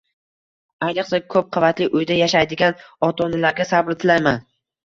Ayniqsa, koʻp qavatli uyda yashaydigan ota-onalarga sabr tilayman